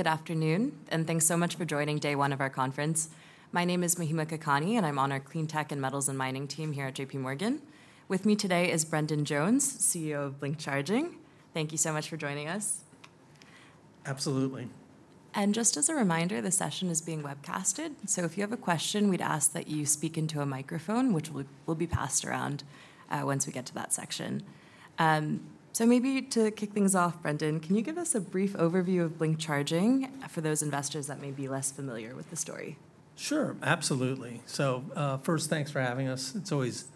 Good afternoon and thanks so much for joining day one of our conference. My name is Mahima Kakani and I'm on our Cleantech and Metals and Mining team here at JPMorgan. With me today is Brendan Jones, CEO of Blink Charging. Thank you so much for joining us. Absolutely. Just as a reminder, the session is being webcasted, so if you have a question, we'd ask that you speak into a microphone, which will be passed around once we get to that section. Maybe to kick things off. Brendan, can you give us a brief overview of Blink Charging for those investors that may be less familiar with the story? Sure, absolutely. So first, thanks for having us. It's always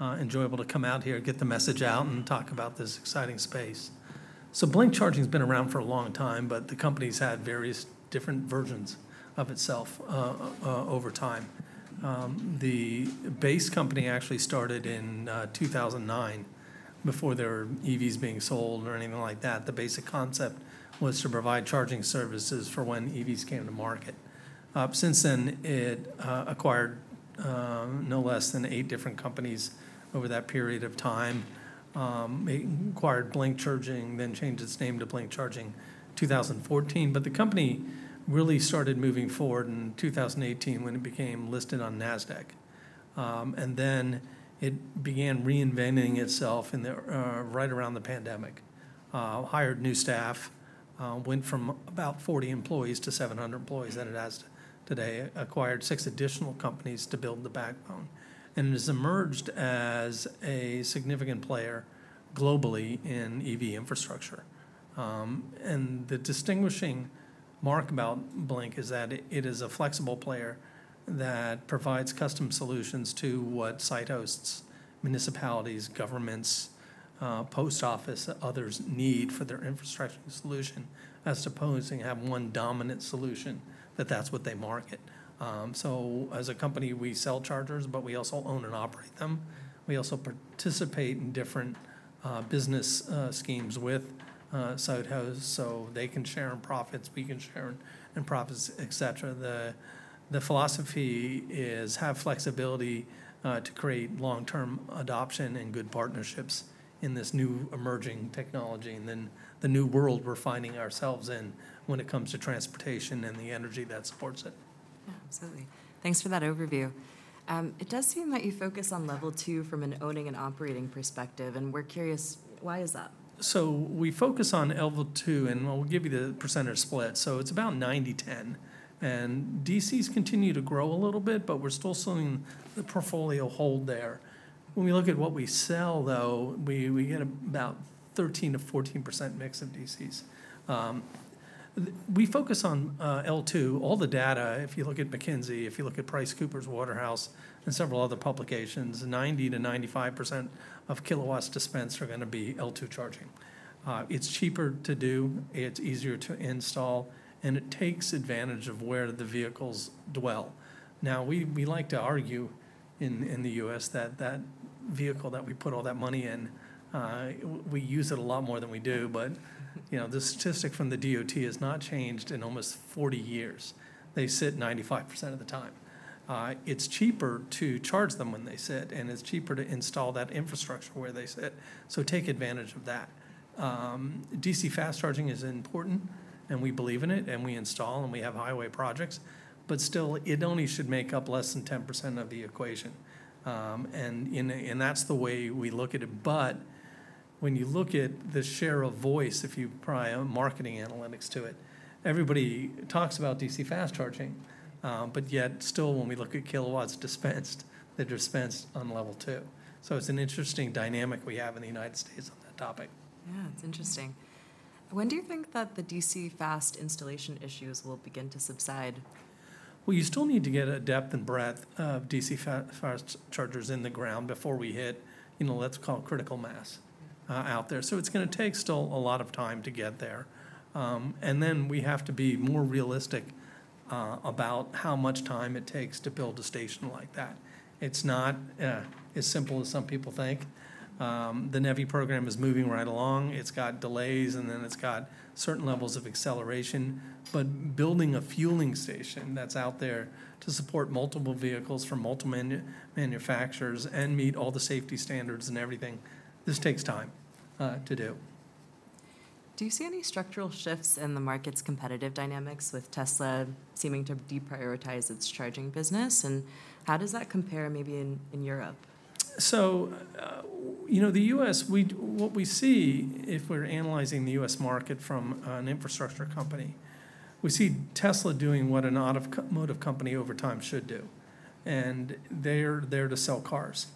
enjoyable to come out here, get the message out and talk about this exciting space. So Blink Charging has been around for a long time, but the company's had various different versions of itself over time. The base company actually started in 2009, before there were EVs being sold or anything like that. The basic concept was to provide charging services for when EVs came to market. Since then, it acquired no less than eight different companies over that period of time. Acquired Blink Charging, then changed its name to Blink Charging 2014. But the company really started moving forward in 2018 when it became listed on Nasdaq. And then it began reinventing itself right around the pandemic, hired new staff, went from about 40 employees-700 employees that it has today, acquired 6 additional companies to build the backbone, and has emerged as a significant player globally in EV infrastructure. And the distinguishing mark about Blink is that it is a flexible player that provides custom solutions to what site hosts, municipalities, governments, Post Office, others need for their infrastructure solution as opposed to having one dominant solution that that's what they market. So as a company we sell chargers, but we also own and operate them. We also participate in different business schemes with site hosts so they can share in profits because and share in profits, et cetera. The philosophy is to have flexibility to create long term adoption and good partnerships in this new emerging technology. And then the new world we're finding ourselves in when it comes to transportation and the energy that supports it. Absolutely. Thanks for that overview. It does seem that you focus on Level 2 from an owning and operating perspective and we're curious why is that? So we focus on L2 and we'll give you the percentage split. So it's about 90-10 and DCs continue to grow a little bit, but we're still seeing the portfolio hold there. When we look at what we sell though, we get about 13%-14% mix of DCs; we focus on L2, all the data. If you look at McKinsey, if you look at PricewaterhouseCoopers and several other publications, 90%-95% of kilowatts dispensed are going to be L2 charging. It's cheaper to do, it's easier to install and it takes advantage of where the vehicles dwell. Now we like to argue in the U.S. that that vehicle that we put all that money in, we use it a lot more than we do. But you know, the statistic from the DOT has not changed in almost 40 years. They sit 95% of the time. It's cheaper to charge them when they sit and it's cheaper to install that infrastructure where they sit. So take advantage of that. DC fast charging is important and we believe in it and we install and we have highway projects, but still it only should make up less than 10% of the equation. And that's the way we look at it. But when you look at the share of voice, if you pry marketing analytics to it, everybody talks about DC fast charging, but yet still when we look at kilowatts dispensed, they're dispensed on Level 2. So it's an interesting dynamic we have in the United States on that topic. Yeah, it's interesting. When do you think that the DC fast installation issues will begin to subside? Well, you still need to get a depth and breadth of DC fast chargers in the ground before we hit, let's call it, critical mass out there. So it's going to take still a lot of time to get there. And then we have to be more realistic about how much time it takes to build a station like that. It's not as simple as some people think. The NEVI program is moving right along. It's got delays and then it's got certain levels of acceleration. But building a fueling station that's out there to support multiple vehicles from multiple manufacturers and meet all the safety standards and everything, this takes time to do. Do you see any structural shifts in the market's competitive dynamics with Tesla seeming to deprioritize its charging business? How does that compare? Maybe in Europe. So you know, the U.S., what we see, if we're analyzing the U.S. market from an infrastructure company, we see Tesla doing what an automotive company over time should do and they're there to sell cars.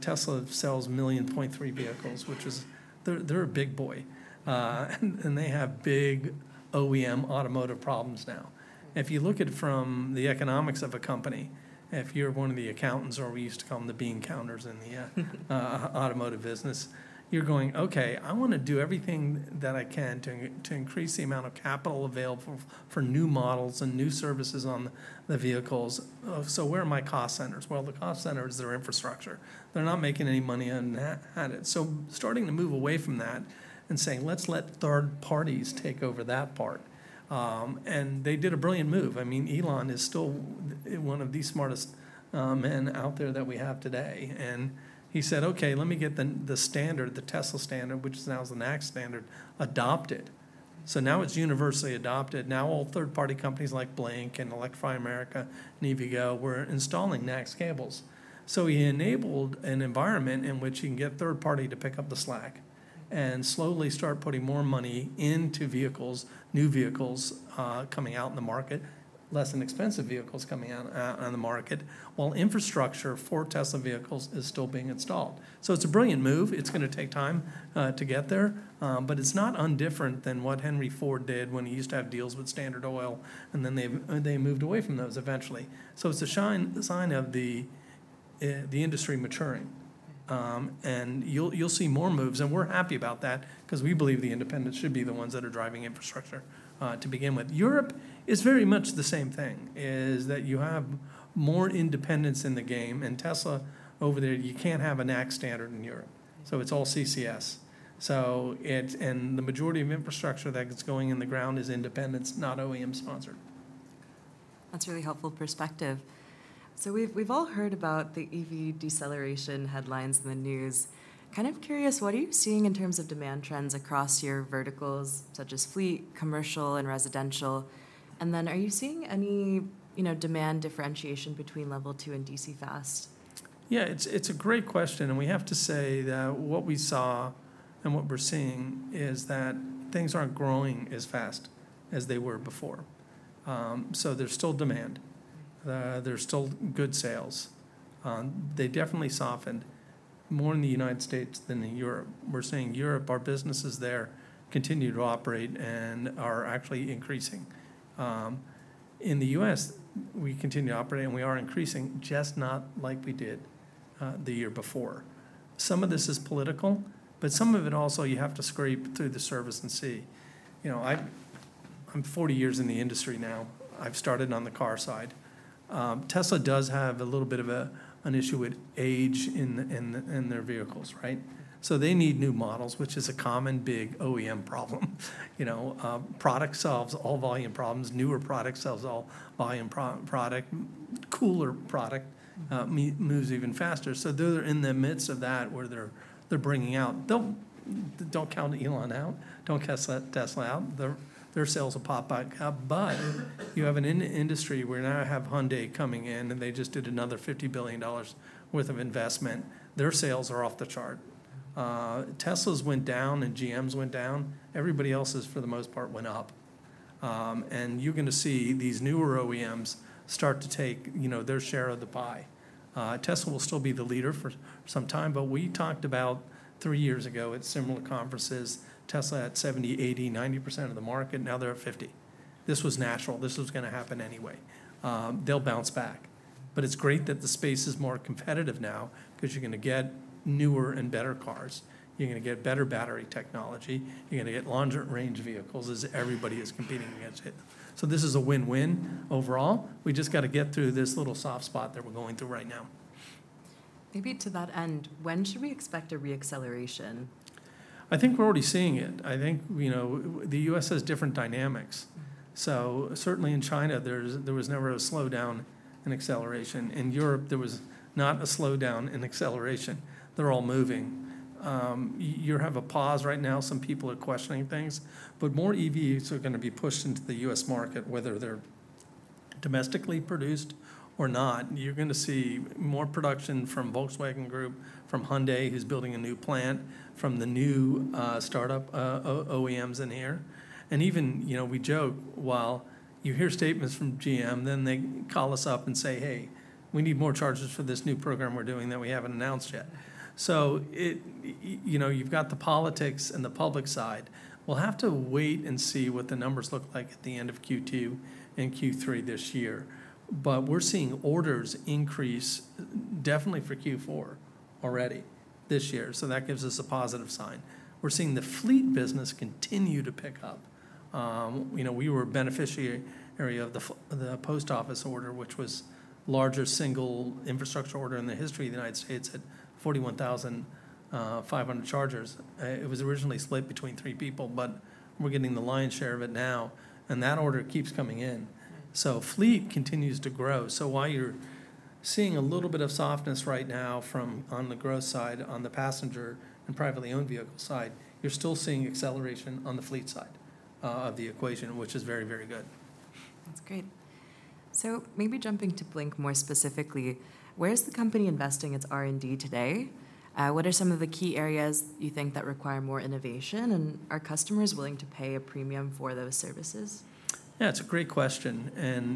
Tesla sells 1.3 million vehicles, which is they're a big boy and they have big OEM automotive problems. Now if you look at from the economics of a company, if you're one of the accountants, or we used to call them the bean counters in the automotive business, you're going, okay, I want to do everything that I can to increase the amount of capital available for new models and new services on the vehicles. So where are my cost centers? Well, the cost center is their infrastructure. They're not making any money. So starting to move away from that and saying, let's let third parties take over that part. They did a brilliant move. I mean, Elon is still one of the smartest men out there that we have today. He said, okay, let me get the standard, the Tesla standard, which now is the NACS standard adopted. So now it's universally adopted. Now all third party companies like Blink and Electrify America and EVgo were installing NACS cables. So he enabled an environment in which you can get third party to pick up the slack and slowly start putting more money into vehicles. New vehicles coming out in the market, less inexpensive vehicles coming out on the market, while infrastructure for Tesla vehicles is still being installed. So it's a brilliant move. It's going to take time to get there, but it's not undifferent than what Henry Ford did when he used to have deals with Standard Oil and then they moved away from those eventually. So it's a sign of the industry maturing and you'll see more moves and we're happy about that because we believe the independents should be the ones that are driving infrastructure to begin with. Europe is very much the same thing, in that you have more independents in the game. And Tesla over there, you can't have a NACS standard in Europe. So it's all CCS. So it and the majority of infrastructure that's going in the ground is independents, not OEM sponsored. That's really helpful perspective. We've all heard about the EV deceleration headlines in the news. Kind of curious. What are you seeing in terms of demand trends across your verticals such as fleet, commercial, and residential? Then, are you seeing any demand differentiation between Level 2 and DC fast? Yeah, it's a great question. We have to say that what we saw and what we're seeing is that things aren't growing as fast as they were before. There's still demand, there's still good sales. They definitely softened more in the United States than in Europe. We're seeing Europe, our business is there continue to operate and are actually increasing. In the U.S. we continue to operate and we are increasing, just not like we did the year before. Some of this is political, but some of it also you have to scrape through the service and see, you know, I'm 40 years in the industry now. I've started on the car side. Tesla does have a little bit of an issue with age in their vehicles. Right?. So they need new models, which is a common big OEM problem. Product solves all volume problems, newer product sells all volume, product cooler product moves even faster. So they're in the midst of that where they're bringing out, don't count Elon out, don't let Tesla out. Their sales will pop back up. But you have an industry where now I have Hyundai coming in and they just did another $50 billion worth of investment. Their sales are off the chart. Tesla's went down and GM's went down. Everybody else's for the most part went up. And you're going to see these newer OEMs start to take their share of the pie. Tesla will still be the leader for some time, but we talked about three years ago at similar conferences, Tesla at 70%, 80%, 90% of the market, now they're at 50%. This was natural, this was going to happen anyway. They'll bounce back. But it's great that the space is more competitive now because you're going to get newer and better cars, you're going to get better battery technology, you're going to get longer range vehicles as everybody is competing against it. So this is a win-win overall. We just got to get through this little soft spot that we're going through right now. Maybe to that end, when should we expect a reacceleration? I think we're already seeing it. I think the U.S. has different dynamics. So certainly in China there was never a slowdown in acceleration. In Europe there was not a slowdown in acceleration. They're all moving. You have a pause right now. Some people are questioning things, but more EVs are going to be pushed into the U.S. market whether they're domestically produced or not. You're going to see more production from Volkswagen Group, from Hyundai, who's building a new plant from the new startup OEMs in here. And even, you know, we joke while you hear statements from GM. Then they call us up and say, hey, we need more charges for this new program we're doing that we haven't announced yet. So, you know, you've got the politics and the public side. We'll have to wait and see what the numbers look like at the end of Q2 and Q3 this year. But we're seeing orders increase definitely for Q4 already this year. So that gives us a positive. We're seeing the fleet business continue to pick up. You know, we were a beneficiary of the post office order, which was larger single infrastructure order in the history of the United States at 41,500 chargers. It was originally split between three people, but we're getting the lion's share of it now and that order keeps coming in. So fleet continues to grow. So while you're seeing a little bit of softness right now from on the growth side, on the passenger and privately owned vehicle side, you're still seeing acceleration on the fleet side of the equation, which is very, very good. That's great. So maybe jumping to Blink more specifically, where is the company investing its R&D today? What are some of the key areas you think that require more innovation, and are customers willing to pay a premium for those services? Yeah, it's a great question.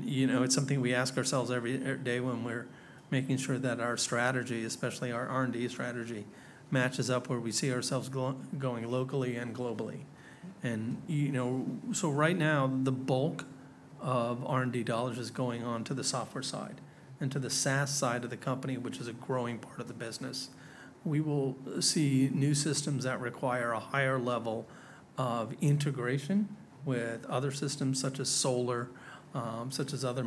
You know, it's something we ask ourselves every day when we're making sure that our strategy, especially our R&D strategy, matches up where we see ourselves going locally and globally. Right now the bulk of R&D dollars is going on to the software side and to the SaaS side of the company, which is a growing part of the business. We will see new systems that require a higher level of integration with other systems such as solar, such as other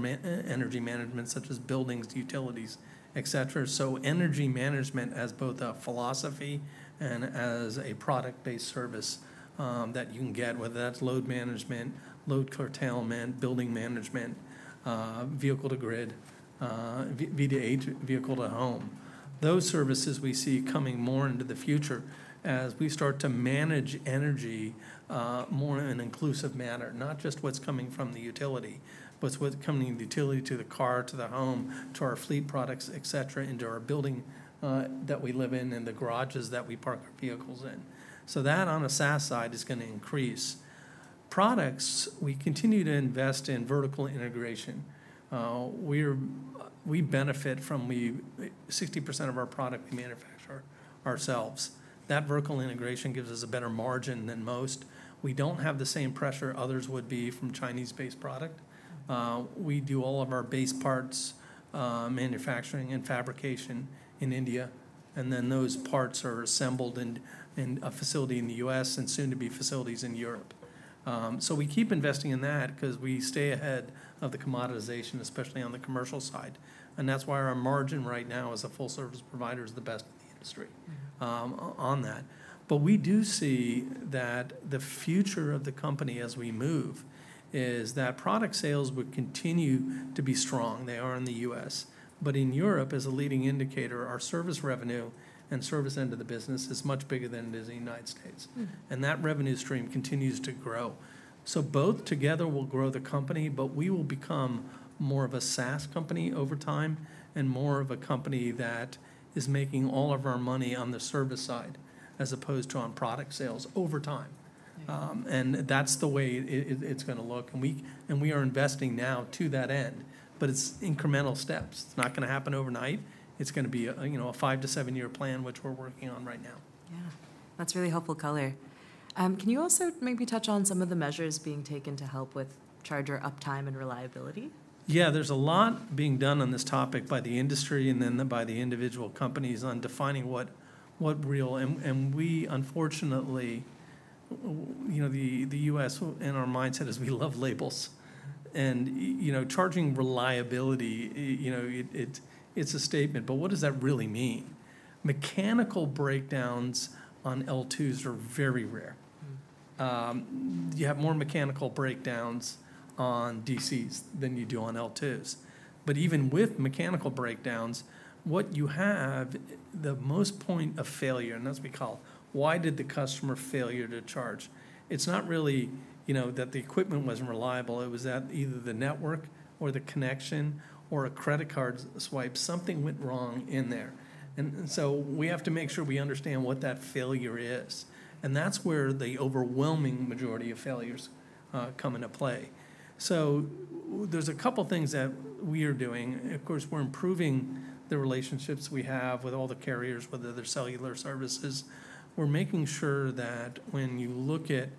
energy management, such as buildings, utilities, et cetera. Energy management as both a philosophy and as a product-based service that you can get, whether that's load management, load curtailment, building management, Vehicle-to-Grid, V2H, Vehicle-to-Home. Those services we see coming more into the future as we start to manage energy more an inclusive manner. Not just what's coming from the utility, but what's coming utility to the car, to the home, to our fleet, products, etc. Into our building that we live in and the garages that we park our vehicles in. So that on the SaaS side is going to increase products. We continue to invest in vertical integration. We benefit from 60% of our product we manufacture ourselves. That vertical integration gives us a better margin than most. We don't have the same pressure. Others would be from Chinese based product. We do all of our base parts manufacturing and fabrication in India and then those parts are assembled in a facility in the U.S. and soon to be facilities in Europe. So we keep investing in that because we stay ahead of the commoditization, especially on the commercial side. And that's why our margin right now as a full service provider is the best in the industry on that. But we do see that the future of the company as we move is that product sales would continue to be strong. They are in the U.S. but in Europe as a leading indicator, our service revenue and service end of the business is much bigger than it is in the United States. And that revenue stream continues to grow. So both together will grow the company, but we will become more of a SaaS company over time and more of a company that is making all of our money on the service side as opposed to on product sales over time. And that's the way it's going to look. We are investing now to that end. But it's incremental steps. It's not going to happen overnight. It's going to be a 5-7 year plan which we're working on right now. Yeah, that's really helpful. Color. Can you also maybe touch on some of the measures being taken to help with charger uptime and reliability? Yeah, there's a lot being done on this topic by the industry and then by the individual companies on defining what real. And we unfortunately, you know, the U.S. and our mindset is we love labels and you know, charging reliability. You know, it's a statement, but what does that really mean? Mechanical breakdowns on L2s are very rare. You have more mechanical breakdowns on DCs than you do on L2s. But even with mechanical breakdowns, what you have the most point of failure. And that's what we call why did the customer failure to charge? It's not really, you know, that the equipment wasn't reliable. It was that either the network or the connection or a credit card swipe, something went wrong and there. And so we have to make sure we understand what that failure is. And that's where the overwhelming majority of failures come into play. So there's a couple things that we are doing. Of course we're improving the relationships we have with all the carriers, whether they're cellular services. We're making sure that when you look at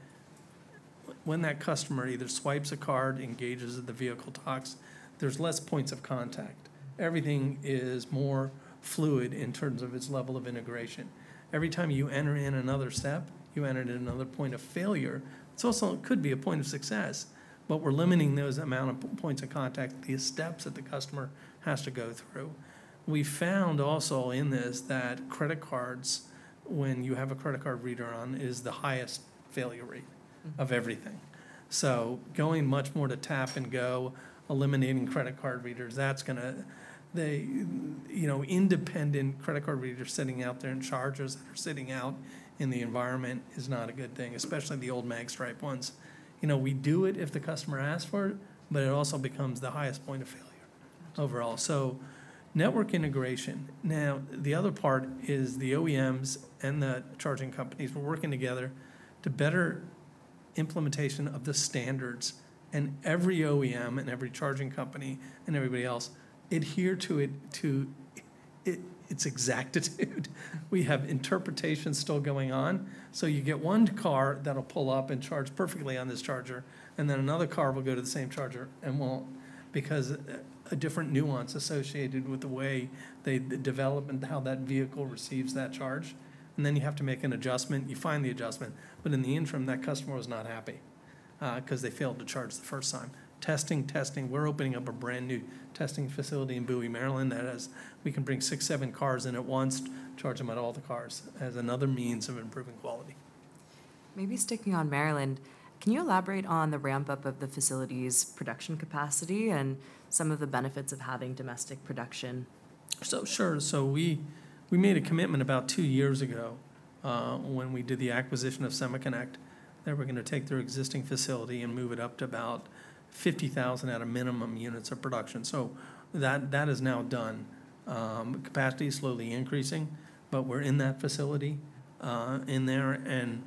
when that customer either swipes a card, engages the vehicle talks, there's less points of contact. Everything is more fluid in terms of its level of integration. Every time you enter in another step, you enter another point of failure. It also could be a point of success. But we're limiting those amount of points of contact, the steps that the customer has to go through. We found also in this that credit cards, when you have a credit card reader on, is the highest failure rate of everything. So going much more to tap and go, eliminating credit card readers—that's going to, you know, independent credit card readers sitting out there and chargers sitting out in the environment is not a good thing, especially the old mag stripe ones. You know, we do it if the customer asks for it, but it also becomes the highest point of failure overall. So network integration. Now the other part is the OEMs and the charging companies were working together to better implementation of the standards. And every OEM and every charging company and everybody else adhere to it, to its exactitude. We have interpretations still going on. So you get one car that'll pull up and charge perfectly on this charger and then another car will go to the same charger and won't because a different nuance associated with the way they develop and how that vehicle receives that charge. And then you have to make an adjustment. You find the adjustment. But in the interim, that customer was not happy because they failed to charge the first time. Testing, testing. We're opening up a brand new testing facility in Bowie, Maryland that has, we can bring six, seven cars in at once, charge them at all the cars as another means of improving quality, maybe sticking on Maryland. Can you elaborate on the ramp up of the facilities, facility's production capacity and some of the benefits of having domestic production? Sure. So we made a commitment about two years ago when we did the acquisition of SemaConnect that we're going to take their existing facility and move it up to about 50,000 at a minimum units of production. So that is now done. Capacity is slowly increasing. But we're in that facility in there. And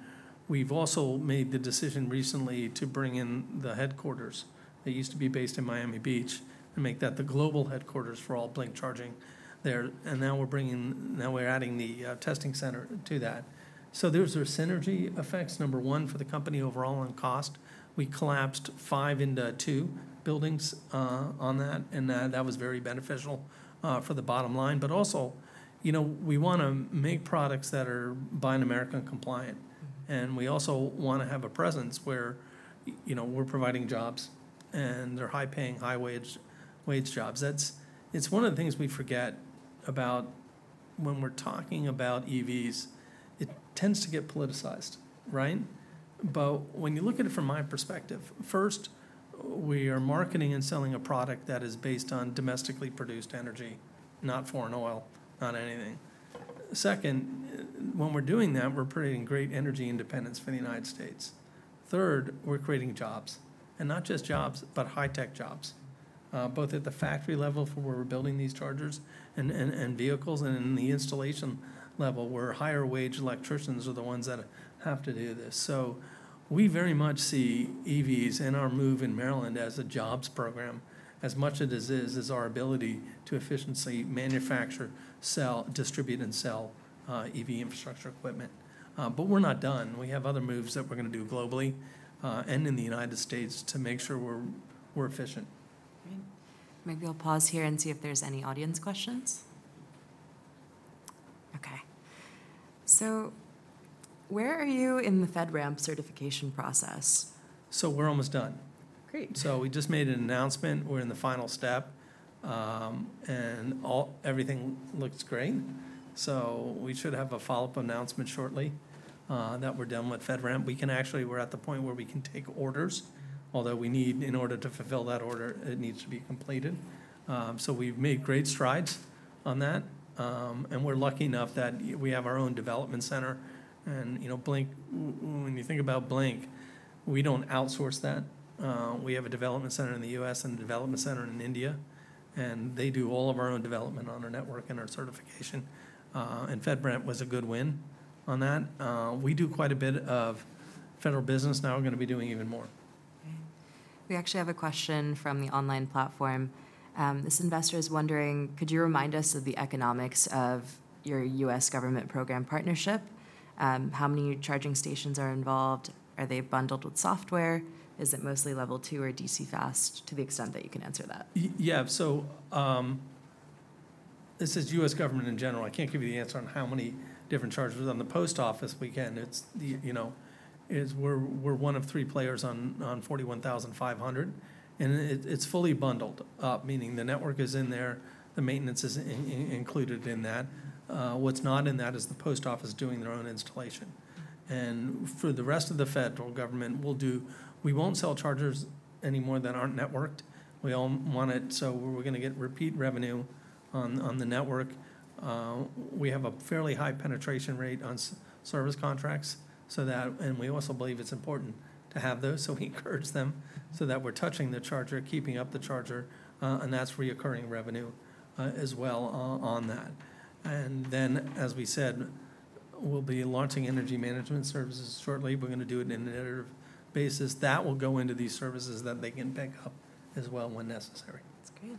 we've also made the decision recently to bring in the headquarters that used to be based in Miami Beach and make that the global headquarters for all Blink Charging there. And now we're bringing, now we're adding the testing center to that. So there's our synergy effects. Number one for the company overall on cost. We collapsed five into two buildings on that. And that was very beneficial for the bottom line. But also, you know, we want to make products that are Buy American compliant. And we also want to have a presence where, you know, we're providing jobs and they're high paying, high wage jobs. That's, it's one of the things we forget about when we're talking about EVs. It tends to get politicized. Right. But when you look at it from my perspective, first, we are marketing and selling a product that is based on, based on domestically produced energy, not foreign oil, not anything. Second, when we're doing that, we're creating great energy independence for the United States. Third, we're creating jobs, and not just jobs, but high tech jobs, both at the factory level for where we're building these chargers and vehicles and in the installation level where higher wage electricians are the ones that have to do this. So we very much see EVs and our move in Maryland as a jobs program as much as it is our ability to efficiently manufacture, sell, distribute, and sell EV infrastructure equipment. But we're not done. We have other moves that we're going to do globally and in the United States to make sure we're efficient. Maybe I'll pause here and see if there's any audience questions. Okay. So where are you in the FedRAMP certification process? We're almost done. Great. So we just made an announcement. We're in the final step and everything looks great. We should have a follow-up announcement shortly that we're done with FedRAMP. We can actually, we're at the point where we can take orders, although we need, in order to fulfill that order, it needs to be completed. So we've made great strides that. We're lucky enough that we have our own development center and you know, Blink when you think about Blink. We don't outsource that. We have a development center in the U.S. and development center in India and they do all of our own development on our network and our certification. FedRAMP was a good win on that. We do quite a bit of federal business. Now we're gonna be doing even more. We actually have a question from the online platform. This investor is wondering, could you remind us of the economics of your U.S. Government program partnership? How many charging stations are involved? Are they bundled with software? Is it mostly Level 2 or DC fast? To the extent that you can answer that, yeah. So this is U.S. Government in general. I can't give you the answer on how many different chargers. On the Post Office win, we're one of three players on 41,500. 500 and it's fully bundled up, meaning the network is in there. The maintenance is included in that. What's not in that is the Post Office doing their own installation. For the rest of the federal government, we'll do. We won't sell chargers anymore that aren't networked. We all want it. So we're going to get repeat revenue on the network. We have a fairly high penetration rate on service contracts. So that. We also believe it's important to have those. So we encourage them so that we're touching the charger, keeping up the charger and that's recurring revenue as well on that. Then as we said, we'll be launching energy management services shortly. We're going to do it in an iterative basis that will go into these services that they can pick up as well when necessary. That's great.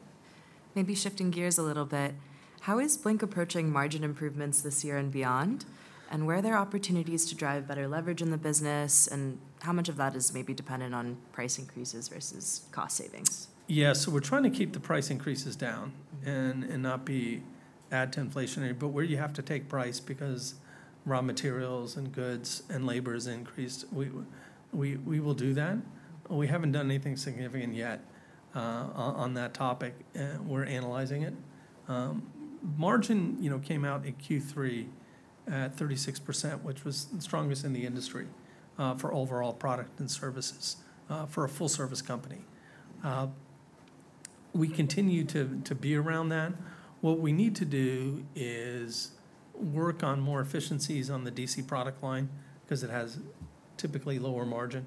Maybe shifting gears a little bit. How is Blink approaching margin improvements this year and beyond and where there are opportunities to drive better leverage in the business and how much of that is maybe dependent on price increases versus cost savings? Yes, we're trying to keep the price increases down and not add to inflationary. But where you have to take price because raw materials and goods and labor is increased, we will do that. We haven't done anything significant yet on that topic. We're analyzing it. Margin came out in Q3 at 36%, which was strongest in the industry for overall product and services for a full-service company. We continue to be around that. What we need to do is work on more efficiencies on the DC product line because it has typically lower margin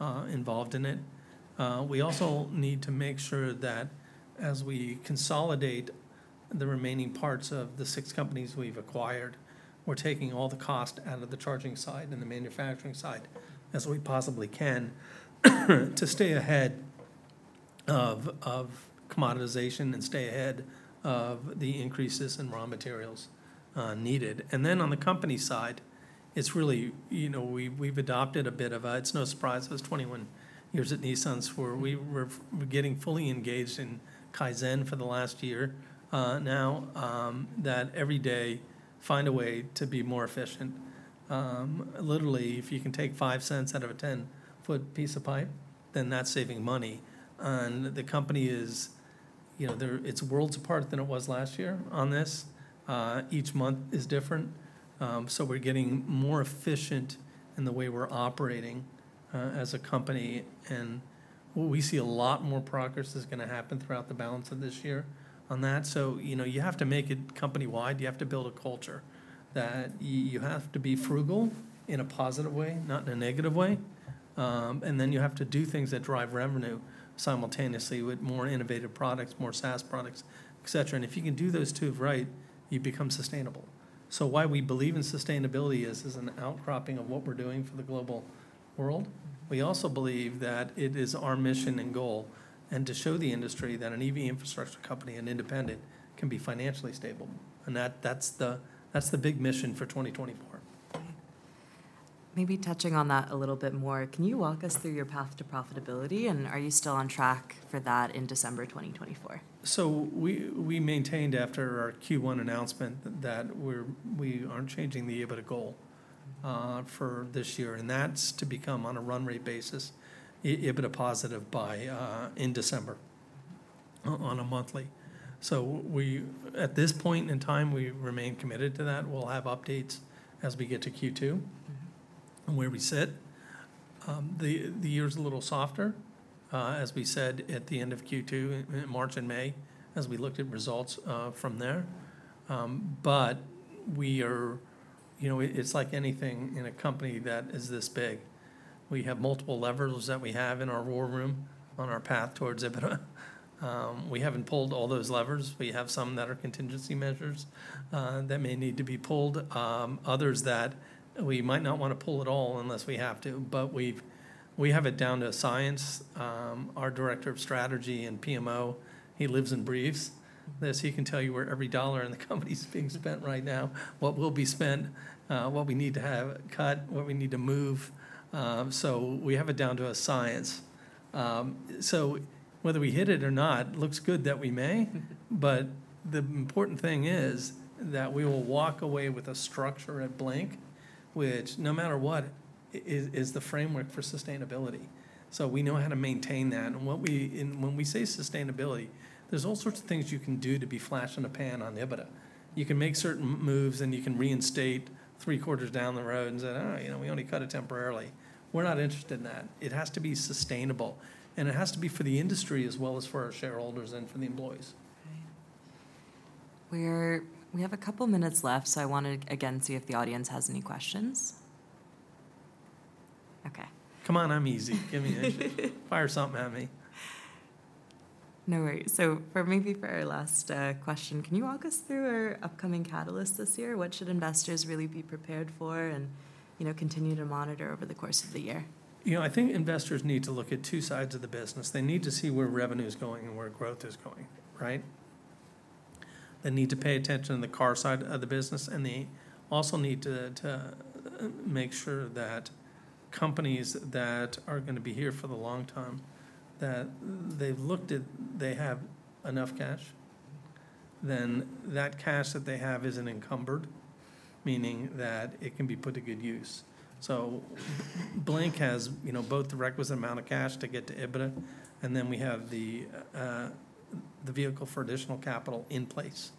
involved in it. We also need to make sure that as we consolidate the remaining parts of the six companies we've acquired, we're taking all the cost out of the charging side and the manufacturing side as we possibly can to stay ahead of commoditization and stay ahead of the increases in raw materials needed. And then on the company side it's really, you know, we've adopted a bit of. It's no surprise it was 21 years at Nissan's where we're getting fully engaged in Kaizen for the last year now that every day find a way to be more efficient. Literally if you can take $0.05 out of a 10-ft piece of pipe, then that's saving money. And the company is, you know, it's worlds apart than it was last year on this. Each month is different. So we're getting more efficient in the way we're operating as a company. And we see a lot more progress is going to happen throughout the balance of this year on that. So, you know, you have to make it company-wide. You have to build a culture that you have to be frugal in a positive way, not in a negative way. And then you have to do things that drive revenue simultaneously with more innovative products, more SaaS products, et cetera. And if you can do those two right, you become sustainable. So why we believe in sustainability is an outcropping of what we're doing for the global world. We also believe that it is our mission and goal and to show the industry that an EV infrastructure company and independent can be financially stable. And that's the big mission for 2024. Maybe touching on that a little bit more. Can you walk us through your path to profitability and are you still on track for that in December 2024? So we maintained after our Q1 announcement that we aren't changing the EBITDA goal for this year and that's to become, on a run rate basis, EBITDA positive by in December on a monthly. So we, at this point in time, we remain committed to that. We'll have updates as we get to Q2 and where we sit. The year is a little softer, as we said at the end of Q2 in March and May as we looked at results from there. But we are, you know, it's like anything in a company that is this big. We have multiple levers that we have in our war room on our path towards EBITDA. We haven't pulled all those levers. We have, we have some that are contingency measures that may need to be pulled, others that we might not want to pull at all unless we have to. But we have it down to a science. Our Director of Strategy and PMO, he lives and breathes. He can tell you where every dollar in the company is being spent right now, what will be spent, what we need to have cut, what we need to move. So we have it down to a science. So whether we hit it or not looks good, that we may. But the important thing is that we will walk away with a structure at Blink which no matter what is the framework for sustainability. So we know how to maintain that. And when we say sustainability, there's all sorts of things you can do to be flash in the pan on EBITDA. You can make certain moves and you can reinstate three quarters down the road and say we only cut it temporarily. We're not interested in that. It has to be sustainable and it has to be for the industry as well as for our shareholders and for the employees. We have a couple minutes left, so I want to again see if the audience has any questions. Okay. Come on, I'm easy. Give me fire something at me. No worries. So maybe for our last question, can you walk us through our upcoming catalyst this year? What should investors really be prepared for and, you know, continue to monitor over the course of the year? You know, I think investors need to look at two sides of the business. They need to see where revenue is going and where growth is going. Right. They need to pay attention to the car side of the business. And they also need to make sure that companies that are going to be here for the long term that they've looked at, they have enough cash, then that cash that they have isn't encumbered, meaning that it can be put to good use. So Blink has both the requisite amount of cash to get to EBITDA and then we have the vehicle for additional capital in place.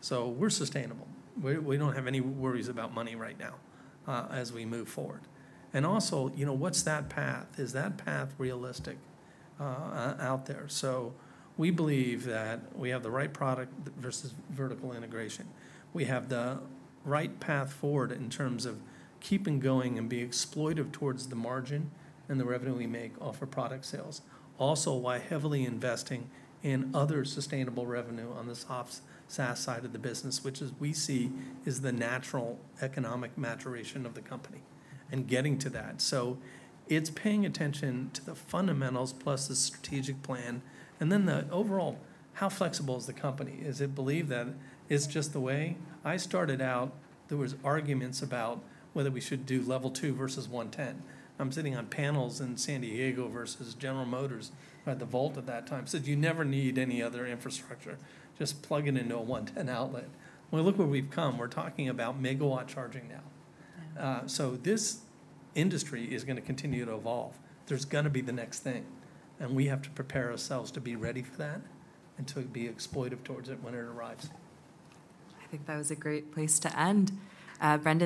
So we're sustainable. We don't have any worries about money right now as we move forward. And also, what's that path? Is that path realistic out there? So we believe that we have the right product versus vertical integration. We have the right path forward in terms of keeping going and being exploitative towards the margin and the revenue we make off of product sales also while heavily investing in other sustainable revenue on the SaaS side of the business, which we see is the natural economic maturation of the company and getting to that. So it's paying attention to the fundamentals, plus the strategic plan and then the overall how flexible is the company? Is it believed that. It's just the way I started out. There was arguments about whether we should do Level 2 versus 110. I'm sitting on panels in San Diego versus General Motors at the Volt at that time, said, "You never need any other infrastructure. Just plug it into a 110 outlet." Well, look where we've come. We're talking about megawatt charging now. So this industry is going to continue to evolve. There's going to be the next thing and we have to prepare ourselves to be ready for that and to be exploitative towards it when it arrives. I think that was a great place to end, Brendan.